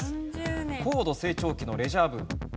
高度成長期のレジャーブーム。